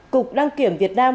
cục đăng kiểm việt nam